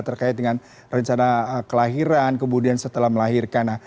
terkait dengan rencana kelahiran kemudian setelah melahirkan